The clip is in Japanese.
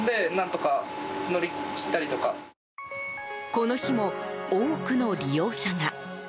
この日も多くの利用者が。